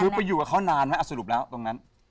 คือไปอยู่กับเขานานไหมสรุปแล้วตรงนั้น